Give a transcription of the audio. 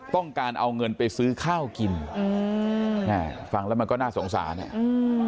ต้องการเอาเงินไปซื้อข้าวกินอืมอ่าฟังแล้วมันก็น่าสงสารอ่ะอืม